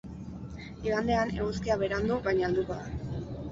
Igandean, eguzkia berandu, baina helduko da.